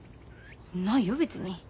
ないよ別に。